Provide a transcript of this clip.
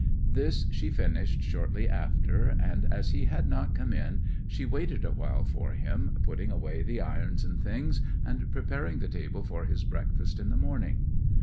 This she finished shortly after, and as he had not come in she waited awhile for him, putting away the irons and things, and preparing the table for his breakfast in the morning.